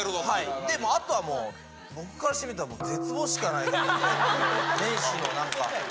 でもあとはもう、僕からしてみたら、絶望しかない、年始のなんか。